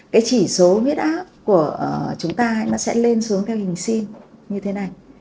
chỉ số huyết áp của chúng ta sẽ lên xuống theo hình xin như thế này